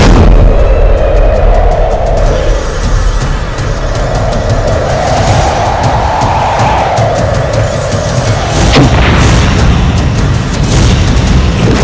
kita menekan diri